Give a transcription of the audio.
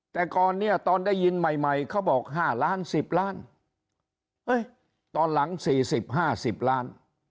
แต่ก่อนนี้ตอนได้ยินใหม่เขาบอก๕ล้าน๑๐ล้าน